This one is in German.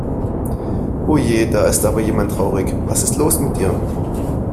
Oje, da ist aber jemand traurig. Was ist los mit dir?